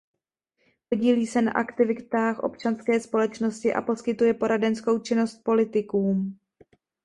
Podílí se na aktivitách občanské společnosti a poskytuje poradenskou činnost politikům.